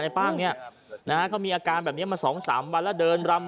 เนี้ยนะคะเค้ามีอาการแบบนี้มาสองสามวันแล้วเดินรำ